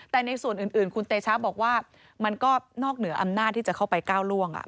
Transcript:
แต่ในส่วนอื่นคุณเตชะบอกว่ามันก็นอกเหนืออำนาจที่จะเข้าไปก้าวล่วง